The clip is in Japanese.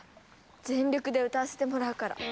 全力で歌わせてもらうから。